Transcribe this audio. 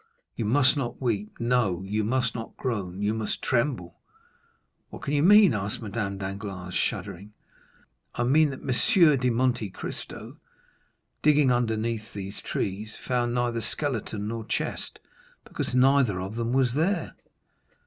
You must not weep, no, you must not groan, you must tremble!" "What can you mean?" asked Madame Danglars, shuddering. "I mean that M. de Monte Cristo, digging underneath these trees, found neither skeleton nor chest, because neither of them was there!"